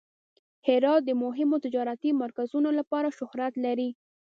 هرات د مهمو تجارتي مرکزونو لپاره شهرت لري.